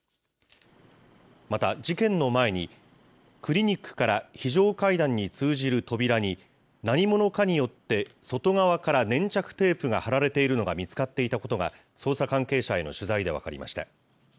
また、事件の前にクリニックから非常階段に通じる扉に何者かによって、外側から粘着テープが貼られているのが見つかっていたことが、捜査関係者への取材で分かりました。